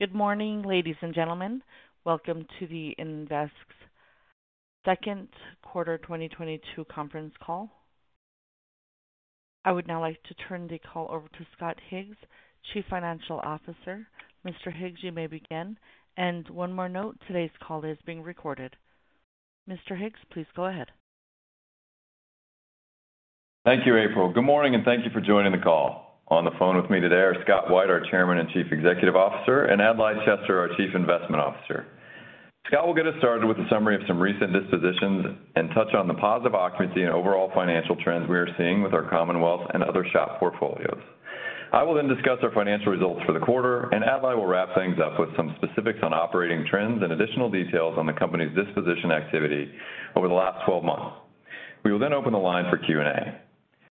Good morning, ladies and gentlemen. Welcome to the Invesque's second quarter 2022 conference call. I would now like to turn the call over to Scott Higgs, Chief Financial Officer. Mr. Higgs, you may begin. One more note, today's call is being recorded. Mr. Higgs, please go ahead. Thank you, April. Good morning, and thank you for joining the call. On the phone with me today are Scott White, our Chairman and Chief Executive Officer, and Adlai Chester, our Chief Investment Officer. Scott will get us started with a summary of some recent dispositions and touch on the positive occupancy and overall financial trends we are seeing with our Commonwealth and other SHOP portfolios. I will then discuss our financial results for the quarter, and Adlai will wrap things up with some specifics on operating trends and additional details on the company's disposition activity over the last 12 months. We will then open the line for Q&A.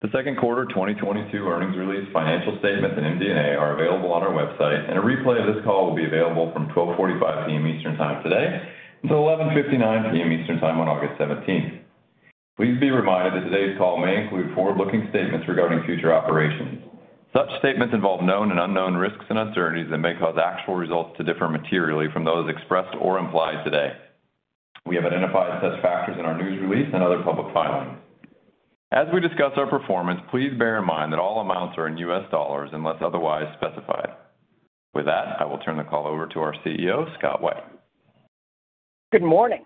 The second quarter 2022 earnings release, financial statements, and MD&A are available on our website, and a replay of this call will be available from 12:45 P.M. Eastern Time today until 11:59 P.M. Eastern Time on August 17. Please be reminded that today's call may include forward-looking statements regarding future operations. Such statements involve known and unknown risks and uncertainties that may cause actual results to differ materially from those expressed or implied today. We have identified such factors in our news release and other public filings. As we discuss our performance, please bear in mind that all amounts are in U.S. dollars unless otherwise specified. With that, I will turn the call over to our CEO, Scott White. Good morning.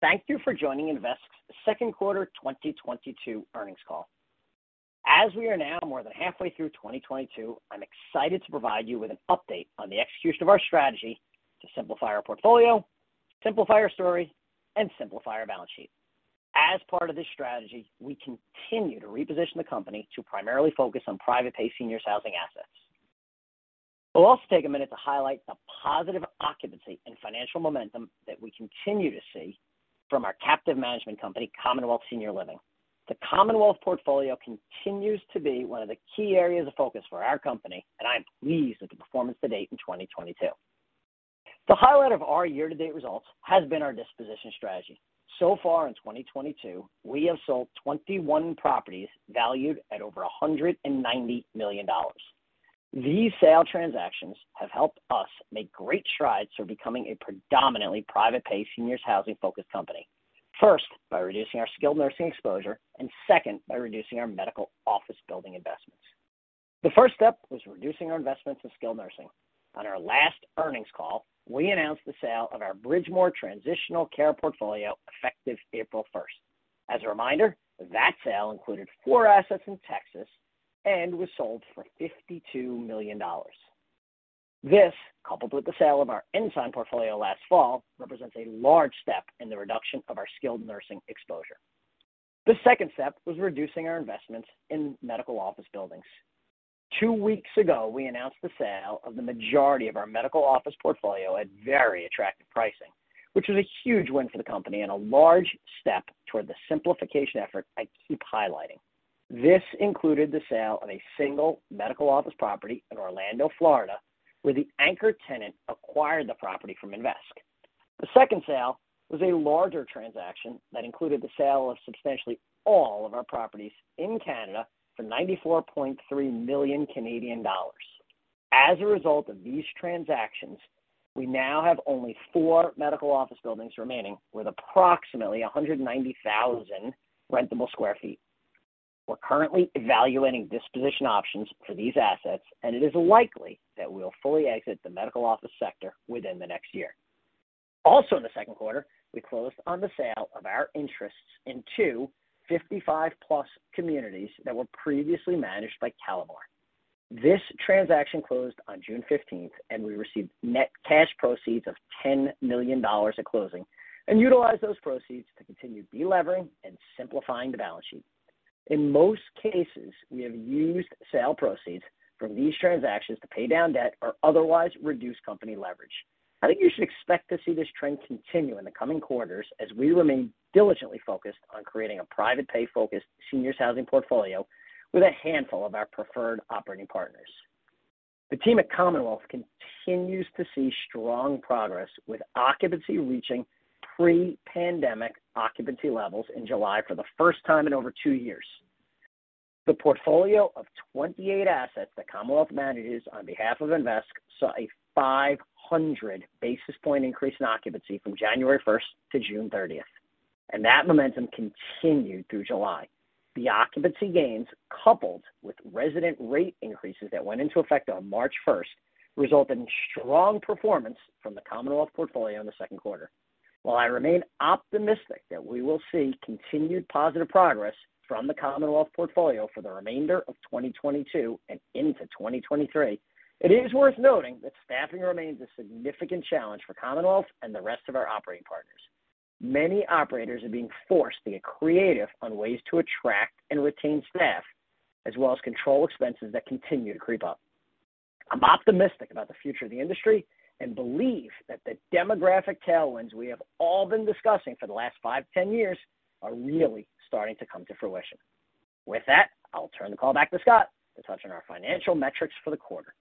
Thank you for joining Invesque's second quarter 2022 earnings call. As we are now more than halfway through 2022, I'm excited to provide you with an update on the execution of our strategy to simplify our portfolio, simplify our story, and simplify our balance sheet. As part of this strategy, we continue to reposition the company to primarily focus on private pay senior housing assets. We'll also take a minute to highlight the positive occupancy and financial momentum that we continue to see from our captive management company, Commonwealth Senior Living. The Commonwealth portfolio continues to be one of the key areas of focus for our company, and I am pleased with the performance to date in 2022. The highlight of our year-to-date results has been our disposition strategy. So far in 2022, we have sold 21 properties valued at over $190 million. These sale transactions have helped us make great strides toward becoming a predominantly private pay seniors housing focused company, first by reducing our skilled nursing exposure and second by reducing our medical office building investments. The first step was reducing our investments in skilled nursing. On our last earnings call, we announced the sale of our Bridgemoor Transitional Care portfolio effective April first. As a reminder, that sale included four assets in Texas and was sold for $52 million. This, coupled with the sale of our Ensign portfolio last fall, represents a large step in the reduction of our skilled nursing exposure. The second step was reducing our investments in medical office buildings. Two weeks ago, we announced the sale of the majority of our medical office portfolio at very attractive pricing, which was a huge win for the company and a large step toward the simplification effort I keep highlighting. This included the sale of a single medical office property in Orlando, Florida, where the anchor tenant acquired the property from Invesque. The second sale was a larger transaction that included the sale of substantially all of our properties in Canada for 94.3 million Canadian dollars. As a result of these transactions, we now have only four medical office buildings remaining with approximately 190,000 sq ft. We're currently evaluating disposition options for these assets, and it is likely that we'll fully exit the medical office sector within the next year. In the second quarter, we closed on the sale of our interests in two 55+ communities that were previously managed by Calamar. This transaction closed on June fifteenth, and we received net cash proceeds of $10 million at closing and utilized those proceeds to continue delevering and simplifying the balance sheet. In most cases, we have used sale proceeds from these transactions to pay down debt or otherwise reduce company leverage. I think you should expect to see this trend continue in the coming quarters as we remain diligently focused on creating a private pay-focused seniors housing portfolio with a handful of our preferred operating partners. The team at Commonwealth continues to see strong progress, with occupancy reaching pre-pandemic occupancy levels in July for the first time in over 2 years. The portfolio of 28 assets that Commonwealth manages on behalf of Invesque saw a 500 basis point increase in occupancy from January first to June thirtieth, and that momentum continued through July. The occupancy gains, coupled with resident rate increases that went into effect on March first, result in strong performance from the Commonwealth portfolio in the second quarter. While I remain optimistic that we will see continued positive progress from the Commonwealth portfolio for the remainder of 2022 and into 2023, it is worth noting that staffing remains a significant challenge for Commonwealth and the rest of our operating partners. Many operators are being forced to get creative on ways to attract and retain staff, as well as control expenses that continue to creep up. I'm optimistic about the future of the industry and believe that the demographic tailwinds we have all been discussing for the last five to 10 years are really starting to come to fruition. With that, I'll turn the call back to Scott to touch on our financial metrics for the quarter.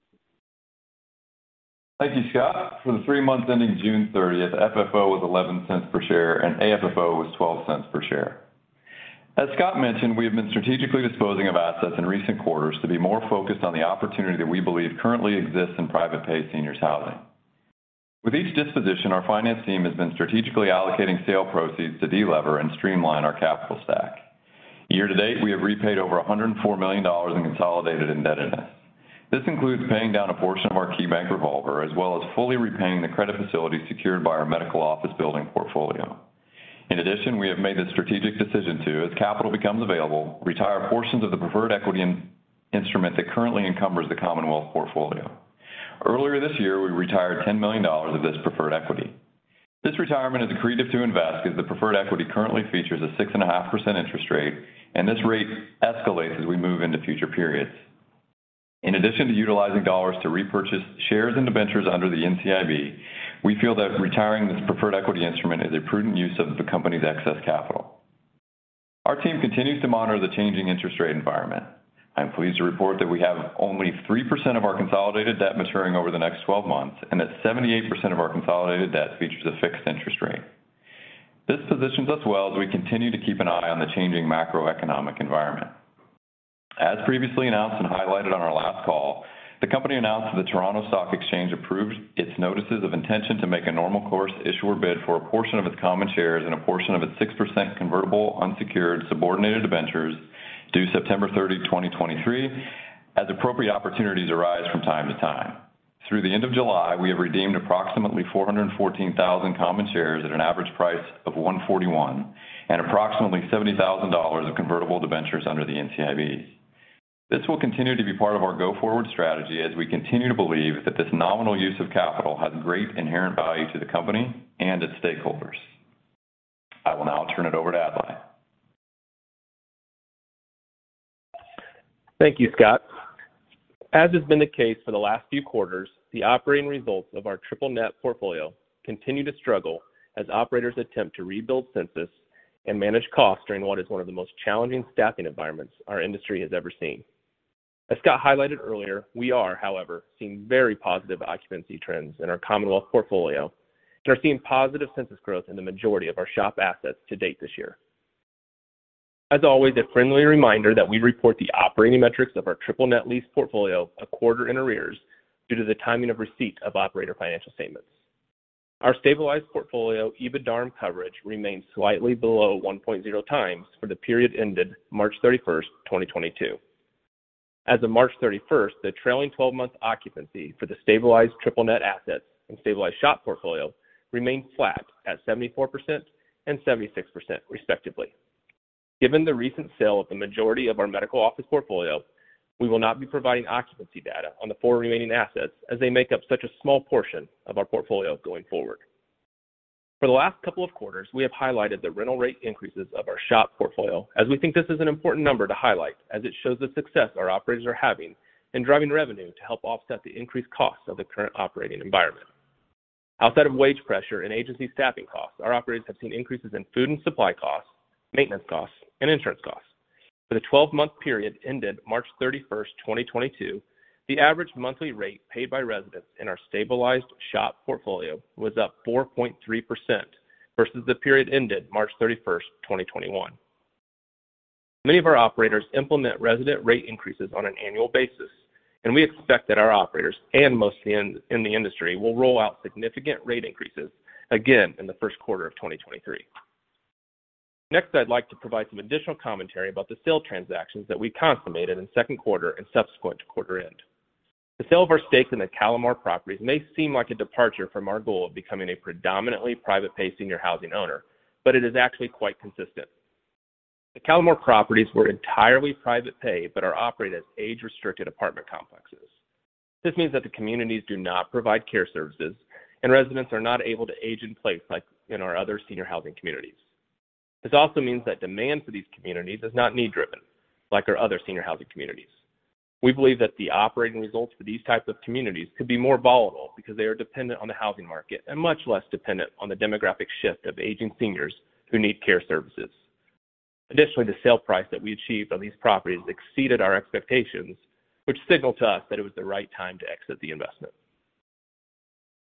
Thank you, Scott. For the three months ending June 30, FFO was $0.11 per share and AFFO was $0.12 per share. As Scott mentioned, we have been strategically disposing of assets in recent quarters to be more focused on the opportunity that we believe currently exists in private pay seniors housing. With each disposition, our finance team has been strategically allocating sale proceeds to delever and streamline our capital stack. Year to date, we have repaid over $104 million in consolidated indebtedness. This includes paying down a portion of our KeyBank revolver, as well as fully repaying the credit facility secured by our medical office building portfolio. In addition, we have made the strategic decision to, as capital becomes available, retire portions of the preferred equity instrument that currently encumbers the Commonwealth portfolio. Earlier this year, we retired $10 million of this preferred equity. This retirement is accretive to Invesque as the preferred equity currently features a 6.5% interest rate, and this rate escalates as we move into future periods. In addition to utilizing dollars to repurchase shares and debentures under the NCIB, we feel that retiring this preferred equity instrument is a prudent use of the company's excess capital. Our team continues to monitor the changing interest rate environment. I'm pleased to report that we have only 3% of our consolidated debt maturing over the next 12 months, and that 78% of our consolidated debt features a fixed interest rate. This positions us well as we continue to keep an eye on the changing macroeconomic environment. As previously announced and highlighted on our last call, the company announced that the Toronto Stock Exchange approved its notices of intention to make a normal course issuer bid for a portion of its common shares and a portion of its 6% convertible unsecured subordinated debentures due September 30, 2023 as appropriate opportunities arise from time to time. Through the end of July, we have redeemed approximately 414,000 common shares at an average price of $1.41 and approximately $70,000 of convertible debentures under the NCIB. This will continue to be part of our go-forward strategy as we continue to believe that this nominal use of capital has great inherent value to the company and its stakeholders. I will now turn it over to Adlai. Thank you, Scott. As has been the case for the last few quarters, the operating results of our triple net portfolio continue to struggle as operators attempt to rebuild census and manage costs during what is one of the most challenging staffing environments our industry has ever seen. As Scott highlighted earlier, we are, however, seeing very positive occupancy trends in our Commonwealth portfolio and are seeing positive census growth in the majority of our SHOP assets to date this year. As always, a friendly reminder that we report the operating metrics of our triple net lease portfolio a quarter in arrears due to the timing of receipt of operator financial statements. Our stabilized portfolio, EBITDARM coverage, remains slightly below 1.0x for the period ended March 31, 2022. As of March 31, the trailing 12-month occupancy for the stabilized triple-net assets and stabilized SHOP portfolio remained flat at 74% and 76% respectively. Given the recent sale of the majority of our medical office portfolio, we will not be providing occupancy data on the 4 remaining assets as they make up such a small portion of our portfolio going forward. For the last couple of quarters, we have highlighted the rental rate increases of our SHOP portfolio as we think this is an important number to highlight as it shows the success our operators are having in driving revenue to help offset the increased costs of the current operating environment. Outside of wage pressure and agency staffing costs, our operators have seen increases in food and supply costs, maintenance costs, and insurance costs. For the 12-month period ended March 31, 2022, the average monthly rate paid by residents in our stabilized SHOP portfolio was up 4.3% versus the period ended March 31, 2021. Many of our operators implement resident rate increases on an annual basis, and we expect that our operators, and most in the industry, will roll out significant rate increases again in the first quarter of 2023. Next, I'd like to provide some additional commentary about the sale transactions that we consummated in second quarter and subsequent to quarter end. The sale of our stakes in the Calamar properties may seem like a departure from our goal of becoming a predominantly private pay senior housing owner, but it is actually quite consistent. The Calamar properties were entirely private pay, but are operated as age-restricted apartment complexes. This means that the communities do not provide care services, and residents are not able to age in place like in our other senior housing communities. This also means that demand for these communities is not need driven like our other senior housing communities. We believe that the operating results for these types of communities could be more volatile because they are dependent on the housing market and much less dependent on the demographic shift of aging seniors who need care services. Additionally, the sale price that we achieved on these properties exceeded our expectations, which signaled to us that it was the right time to exit the investment.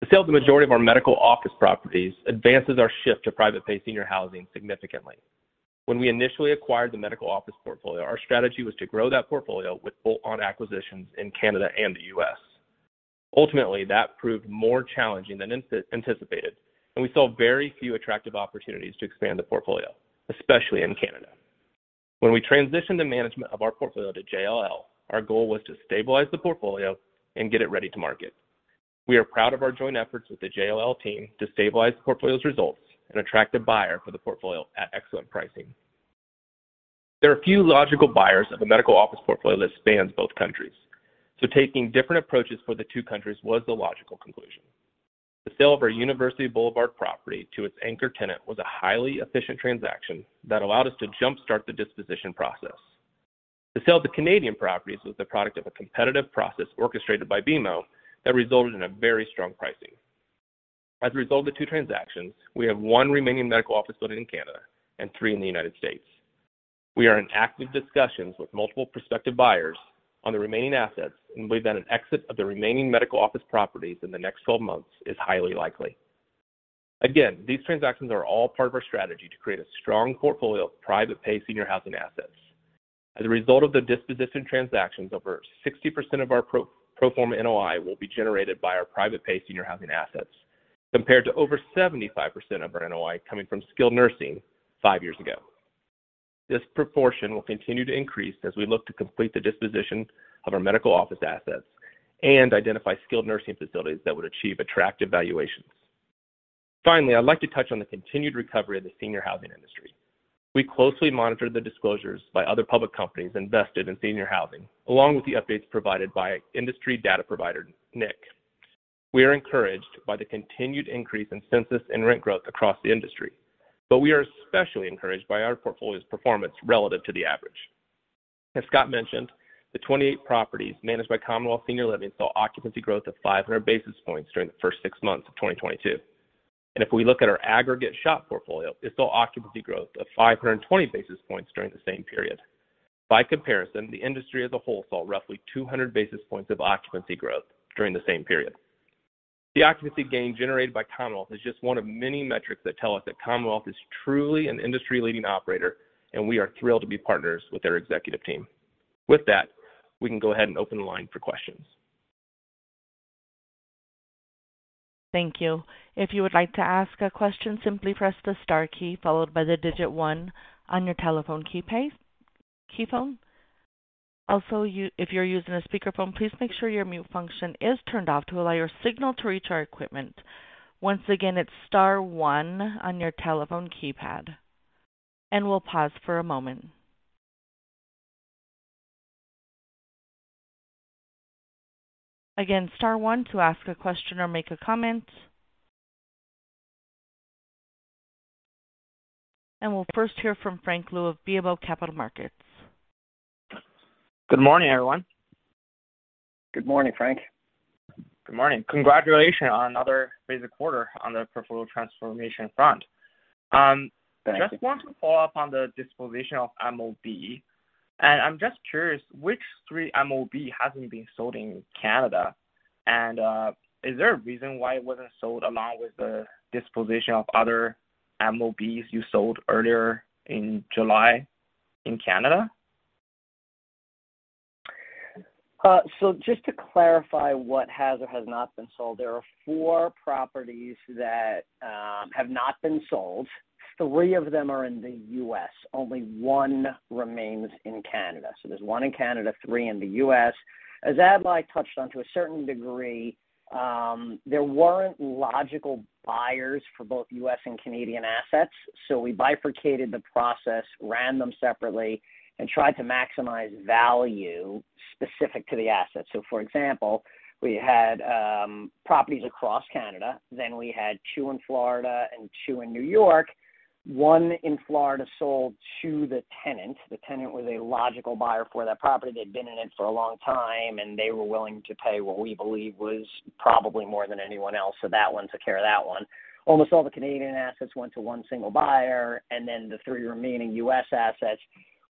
The sale of the majority of our medical office properties advances our shift to private pay senior housing significantly. When we initially acquired the medical office portfolio, our strategy was to grow that portfolio with bolt-on acquisitions in Canada and the U.S. Ultimately, that proved more challenging than anticipated, and we saw very few attractive opportunities to expand the portfolio, especially in Canada. When we transitioned the management of our portfolio to JLL, our goal was to stabilize the portfolio and get it ready to market. We are proud of our joint efforts with the JLL team to stabilize the portfolio's results and attract a buyer for the portfolio at excellent pricing. There are few logical buyers of the medical office portfolio that spans both countries, so taking different approaches for the two countries was the logical conclusion. The sale of our University Boulevard property to its anchor tenant was a highly efficient transaction that allowed us to jump-start the disposition process. The sale of the Canadian properties was the product of a competitive process orchestrated by BMO that resulted in a very strong pricing. As a result of the two transactions, we have one remaining medical office building in Canada and three in the United States. We are in active discussions with multiple prospective buyers on the remaining assets and believe that an exit of the remaining medical office properties in the next 12 months is highly likely. Again, these transactions are all part of our strategy to create a strong portfolio of private pay senior housing assets. As a result of the disposition transactions, over 60% of our pro forma NOI will be generated by our private pay senior housing assets, compared to over 75% of our NOI coming from skilled nursing five years ago. This proportion will continue to increase as we look to complete the disposition of our medical office assets and identify skilled nursing facilities that would achieve attractive valuations. Finally, I'd like to touch on the continued recovery of the senior housing industry. We closely monitor the disclosures by other public companies invested in senior housing, along with the updates provided by industry data provider NIC. We are encouraged by the continued increase in census and rent growth across the industry, but we are especially encouraged by our portfolio's performance relative to the average. As Scott mentioned, the 28 properties managed by Commonwealth Senior Living saw occupancy growth of 500 basis points during the first six months of 2022. If we look at our aggregate SHOP portfolio, it saw occupancy growth of 520 basis points during the same period. By comparison, the industry as a whole saw roughly 200 basis points of occupancy growth during the same period. The occupancy gain generated by Commonwealth is just one of many metrics that tell us that Commonwealth is truly an industry-leading operator, and we are thrilled to be partners with their executive team. With that, we can go ahead and open the line for questions. Thank you. If you would like to ask a question, simply press the star key followed by the digit one on your telephone keypad. Also, if you're using a speakerphone, please make sure your mute function is turned off to allow your signal to reach our equipment. Once again, it's star one on your telephone keypad. We'll pause for a moment. Again, star one to ask a question or make a comment. We'll first hear from Frank Lu of BMO Capital Markets. Good morning, everyone. Good morning, Frank. Good morning. Congratulations on another busy quarter on the portfolio transformation front. Thank you. Just want to follow up on the disposition of MOB. I'm just curious which three MOB hasn't been sold in Canada? Is there a reason why it wasn't sold along with the disposition of other MOBs you sold earlier in July in Canada? Just to clarify what has or has not been sold, there are four properties that have not been sold. Three of them are in the U.S., only one remains in Canada. There's one in Canada, three in the U.S. As Adlai touched on, to a certain degree, there weren't logical buyers for both U.S. and Canadian assets. We bifurcated the process, ran them separately, and tried to maximize value specific to the assets. For example, we had properties across Canada, then we had two in Florida and two in New York. One in Florida sold to the tenant. The tenant was a logical buyer for that property. They'd been in it for a long time, and they were willing to pay what we believe was probably more than anyone else. That one took care of that one. Almost all the Canadian assets went to one single buyer, and then the three remaining U.S. assets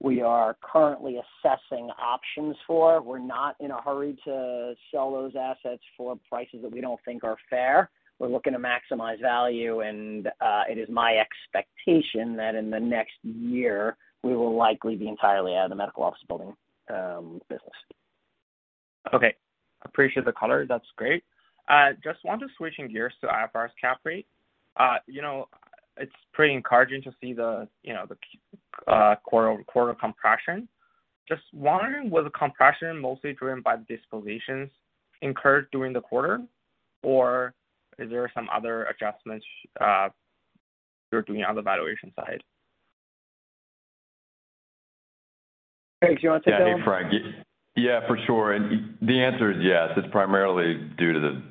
we are currently assessing options for. We're not in a hurry to sell those assets for prices that we don't think are fair. We're looking to maximize value and, it is my expectation that in the next year, we will likely be entirely out of the medical office building business. Okay. Appreciate the color. That's great. Just want to switching gears to IFRS cap rate. You know, it's pretty encouraging to see the quarter compression. Just wondering, was the compression mostly driven by the dispositions incurred during the quarter, or is there some other adjustments you're doing on the valuation side? Frank. Yeah. Hey, Frank. Yeah, for sure. The answer is yes. It's primarily due to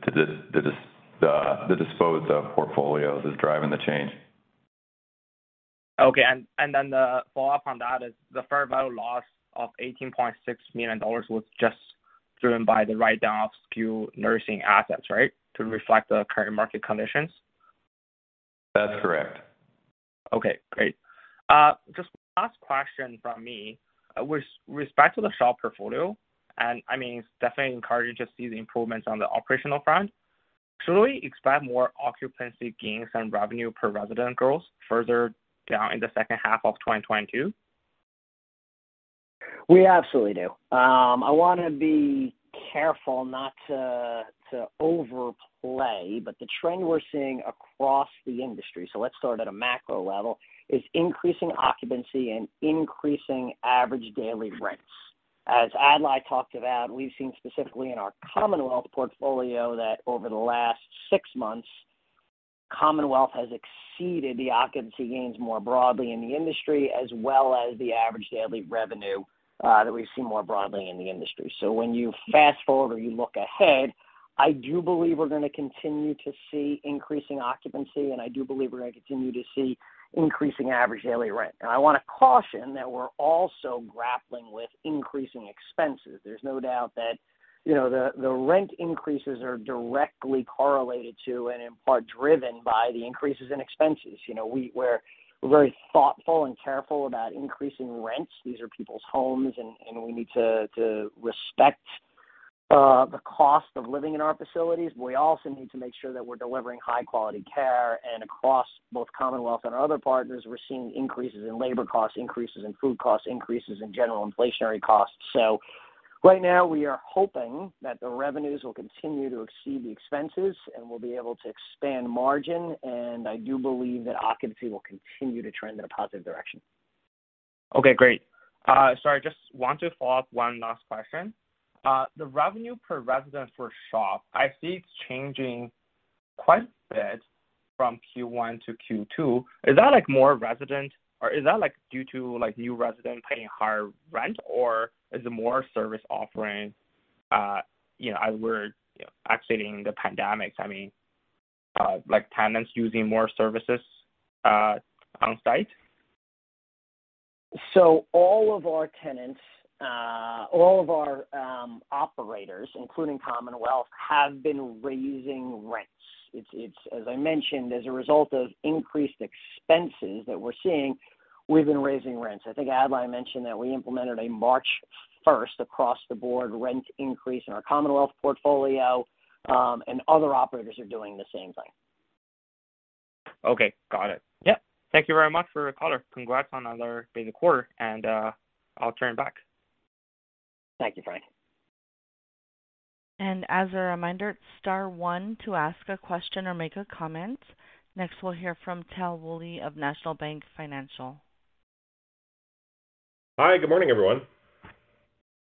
the disposed of portfolios is driving the change. The follow-up on that is the fair value loss of $18.6 million was just driven by the write-down of skilled nursing assets, right? To reflect the current market conditions. That's correct. Okay, great. Just last question from me. With respect to the SHOP portfolio, and I mean, it's definitely encouraging to see the improvements on the operational front. Should we expect more occupancy gains and revenue per resident growth further down in the second half of 2022? We absolutely do. I wanna be careful not to overplay, but the trend we're seeing across the industry, so let's start at a macro level, is increasing occupancy and increasing average daily rents. As Adlai talked about, we've seen specifically in our Commonwealth portfolio that over the last six months, Commonwealth has exceeded the occupancy gains more broadly in the industry, as well as the average daily revenue, that we've seen more broadly in the industry. When you fast-forward or you look ahead, I do believe we're gonna continue to see increasing occupancy, and I do believe we're gonna continue to see increasing average daily rent. Now, I wanna caution that we're also grappling with increasing expenses. There's no doubt that, you know, the rent increases are directly correlated to and in part driven by the increases in expenses. You know, we're very thoughtful and careful about increasing rents. These are people's homes and we need to respect The cost of living in our facilities. We also need to make sure that we're delivering high quality care. Across both Commonwealth and our other partners, we're seeing increases in labor costs, increases in food costs, increases in general inflationary costs. Right now we are hoping that the revenues will continue to exceed the expenses, and we'll be able to expand margin. I do believe that occupancy will continue to trend in a positive direction. Okay, great. Sorry, I just want to follow up one last question. The revenue per resident for SHOP, I see it's changing quite a bit from Q1 to Q2. Is that like more resident or is that like due to like new residents paying higher rent? Or is it more service offering, you know, as we're exiting the pandemic? I mean, like tenants using more services, on site. All of our tenants, all of our operators, including Commonwealth, have been raising rents. It's. As I mentioned, as a result of increased expenses that we're seeing, we've been raising rents. I think Adlai mentioned that we implemented a March first across the board rent increase in our Commonwealth portfolio, and other operators are doing the same thing. Okay. Got it. Yeah. Thank you very much for your color. Congrats on another busy quarter, and I'll turn back. Thank you, Frank. As a reminder, star one to ask a question or make a comment. Next, we'll hear from Tal Woolley of National Bank Financial. Hi. Good morning, everyone.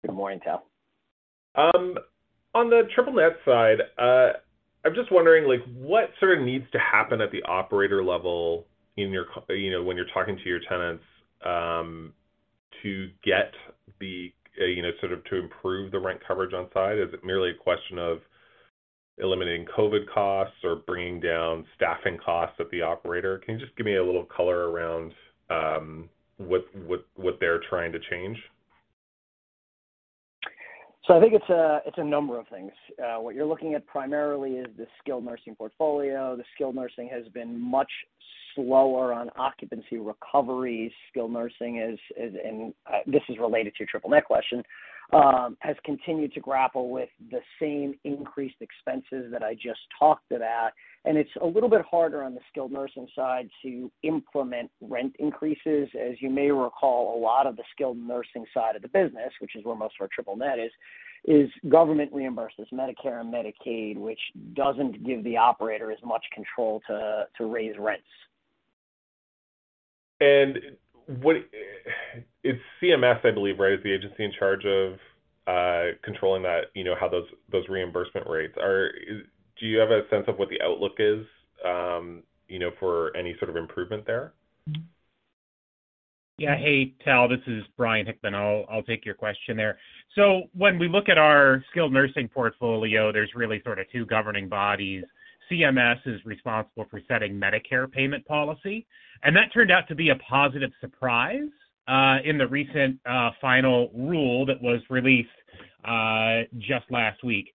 Good morning, Tal. On the triple net side, I'm just wondering, like, what sort of needs to happen at the operator level you know, when you're talking to your tenants, to get the, you know, sort of to improve the rent coverage on site? Is it merely a question of eliminating COVID costs or bringing down staffing costs of the operator? Can you just give me a little color around, what they're trying to change? I think it's a number of things. What you're looking at primarily is the skilled nursing portfolio. The skilled nursing has been much slower on occupancy recovery. Skilled nursing is related to your triple net question and has continued to grapple with the same increased expenses that I just talked about. It's a little bit harder on the skilled nursing side to implement rent increases. As you may recall, a lot of the skilled nursing side of the business, which is where most of our triple net is government reimbursed by Medicare and Medicaid, which doesn't give the operator as much control to raise rents. What is CMS, I believe, right, is the agency in charge of controlling that, you know, how those reimbursement rates are? Do you have a sense of what the outlook is, you know, for any sort of improvement there? Yeah. Hey, Tal, this is Bryan Hickman. I'll take your question there. When we look at our skilled nursing portfolio, there's really sort of two governing bodies. CMS is responsible for setting Medicare payment policy, and that turned out to be a positive surprise in the recent final rule that was released just last week.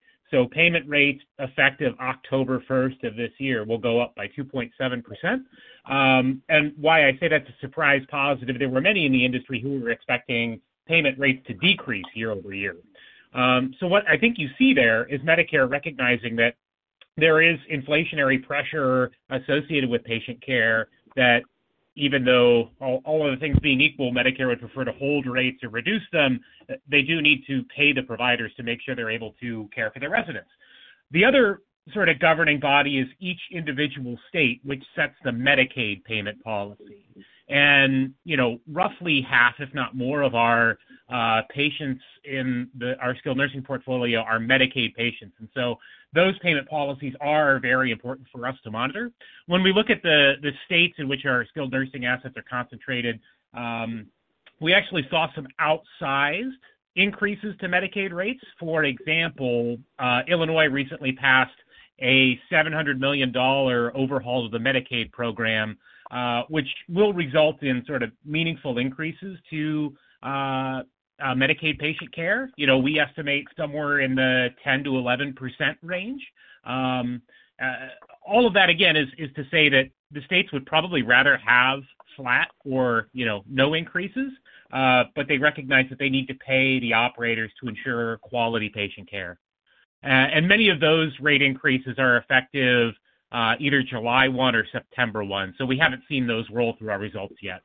Payment rates effective October first of this year will go up by 2.7%. And why I say that's a surprise positive, there were many in the industry who were expecting payment rates to decrease year-over-year. What I think you see there is Medicare recognizing that there is inflationary pressure associated with patient care, that even though all other things being equal, Medicare would prefer to hold rates or reduce them, they do need to pay the providers to make sure they're able to care for their residents. The other sort of governing body is each individual state which sets the Medicaid payment policy. You know, roughly half if not more of our patients in our skilled nursing portfolio are Medicaid patients. Those payment policies are very important for us to monitor. When we look at the states in which our skilled nursing assets are concentrated, we actually saw some outsized increases to Medicaid rates. For example, Illinois recently passed a $700 million overhaul of the Medicaid program, which will result in sort of meaningful increases to Medicaid patient care. You know, we estimate somewhere in the 10%-11% range. All of that again is to say that the states would probably rather have flat or, you know, no increases, but they recognize that they need to pay the operators to ensure quality patient care. Many of those rate increases are effective either July 1 or September 1. We haven't seen those roll through our results yet.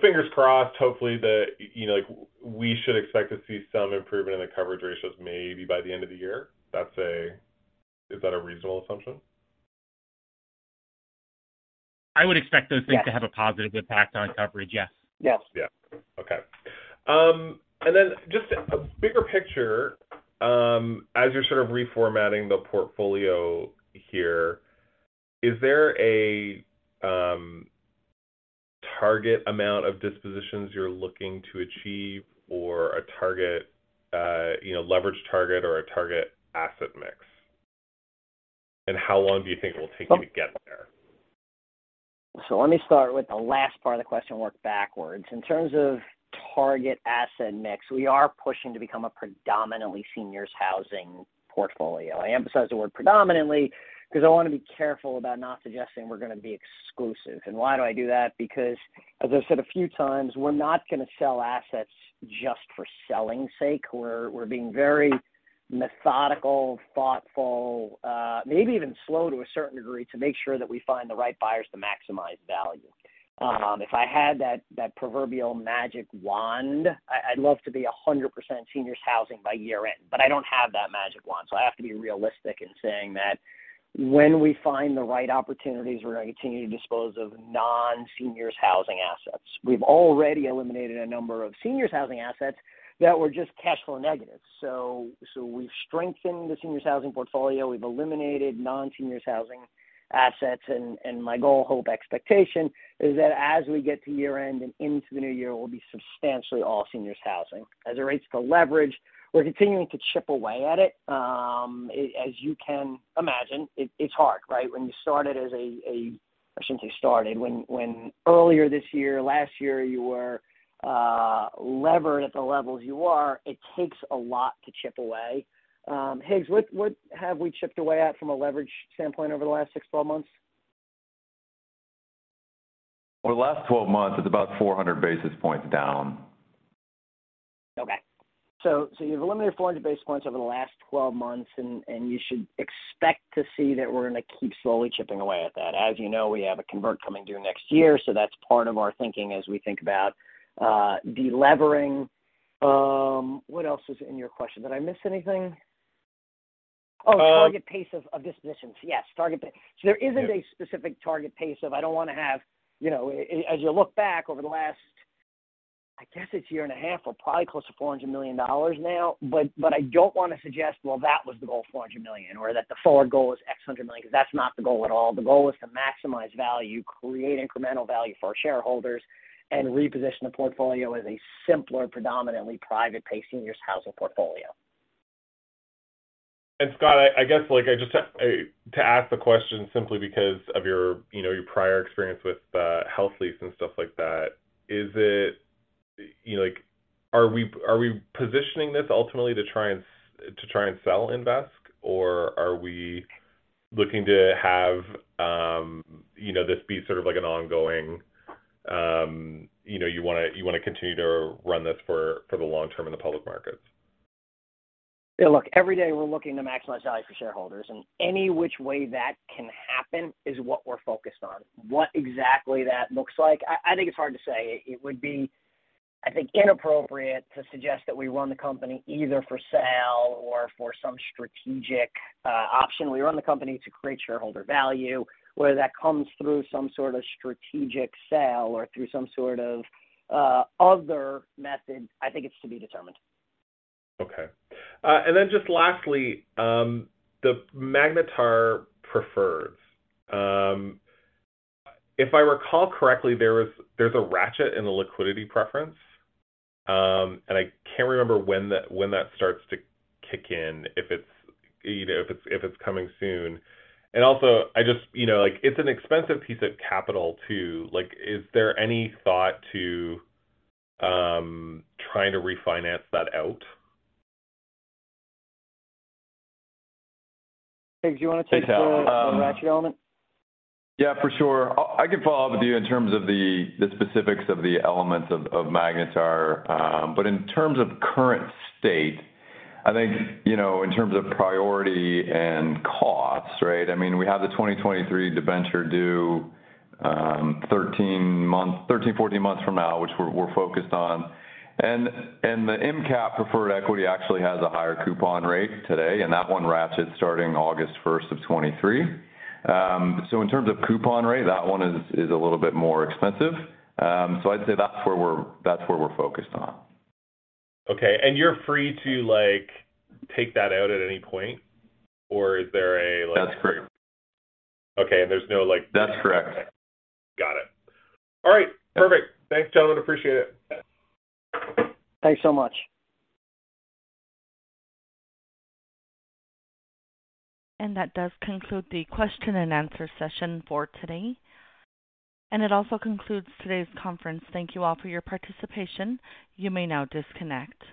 Fingers crossed, hopefully that, you know, like we should expect to see some improvement in the coverage ratios maybe by the end of the year. Is that a reasonable assumption? I would expect those things to have a positive impact on coverage. Yes. Yes. Okay. And then just a bigger picture, as you're sort of reformatting the portfolio here, is there a target amount of dispositions you're looking to achieve or a target, you know, leverage target or a target asset mix? How long do you think it will take you to get there? Let me start with the last part of the question and work backwards. In terms of target asset mix, we are pushing to become a predominantly seniors housing portfolio. I emphasize the word predominantly because I want to be careful about not suggesting we're gonna be exclusive. Why do I do that? Because, as I've said a few times, we're not gonna sell assets just for selling's sake. We're being very Methodical, thoughtful, maybe even slow to a certain degree to make sure that we find the right buyers to maximize value. If I had that proverbial magic wand, I'd love to be 100% seniors housing by year-end, but I don't have that magic wand, so I have to be realistic in saying that when we find the right opportunities, we're gonna continue to dispose of non-seniors housing assets. We've already eliminated a number of seniors housing assets that were just cash flow negative. We've strengthened the seniors housing portfolio. We've eliminated non-seniors housing assets, and my goal, hope, expectation is that as we get to year-end and into the new year, we'll be substantially all seniors housing. As it relates to leverage, we're continuing to chip away at it. As you can imagine, it's hard, right? I shouldn't say started. When earlier this year, last year, you were levered at the levels you are, it takes a lot to chip away. Higgs, what have we chipped away at from a leverage standpoint over the last six to 12 months? Over the last 12 months, it's about 400 basis points down. Okay. You've eliminated 400 basis points over the last 12 months and you should expect to see that we're gonna keep slowly chipping away at that. As you know, we have a convert coming due next year, so that's part of our thinking as we think about delevering. What else was in your question? Did I miss anything? Oh, target pace of dispositions. Yes. Target pace. There isn't a specific target pace of I don't wanna have, you know, as you look back over the last, I guess it's year and a half, we're probably close to $400 million now. But I don't wanna suggest, well, that was the goal, $400 million, or that the forward goal is X hundred million, 'cause that's not the goal at all. The goal is to maximize value, create incremental value for our shareholders, and reposition the portfolio as a simpler, predominantly private pay seniors housing portfolio. Scott, I guess, like, I just have to ask the question simply because of your, you know, your prior experience with, HealthLease Properties and stuff like that, is it, you know, like are we positioning this ultimately to try and sell Invesque? Or are we looking to have, you know, this be sort of like an ongoing, you know, you wanna continue to run this for the long term in the public markets? Yeah, look, every day we're looking to maximize value for shareholders, and any which way that can happen is what we're focused on. What exactly that looks like, I think it's hard to say. It would be, I think, inappropriate to suggest that we run the company either for sale or for some strategic option. We run the company to create shareholder value, whether that comes through some sort of strategic sale or through some sort of other method, I think it's to be determined. Just lastly, the Magnetar preferred. If I recall correctly, there's a ratchet in the liquidity preference, and I can't remember when that starts to kick in, if it's, you know, coming soon. I just, you know, like it's an expensive piece of capital too. Like, is there any thought to trying to refinance that out? Higgs, you wanna take the Hey, Tal. The ratchet element? Yeah, for sure. I can follow up with you in terms of the specifics of the elements of Magnetar. But in terms of current state, I think, you know, in terms of priority and cost, right? I mean, we have the 2023 debenture due 13, 14 months from now, which we're focused on. The MCAP preferred equity actually has a higher coupon rate today, and that one ratchets starting August first of 2023. In terms of coupon rate, that one is a little bit more expensive. I'd say that's where we're focused on. Okay. You're free to, like, take that out at any point? Or is there a, like? That's correct. Okay, there's no. That's correct. Got it. All right. Perfect. Thanks, gentlemen. Appreciate it. Thanks so much. That does conclude the question and answer session for today. It also concludes today's conference. Thank you all for your participation. You may now disconnect.